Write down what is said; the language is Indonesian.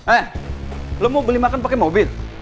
eh lo mau beli makan pakai mobil